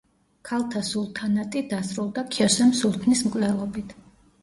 ქალთა სულთანატი დასრულდა ქიოსემ სულთნის მკვლელობით.